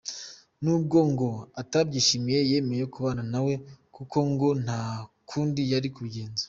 Nubwo ngo atabyishimiye yemeye kubana na we kuko ngo nta kundi yari kubigenza.